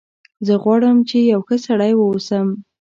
زه غواړم چې یو ښه سړی و اوسم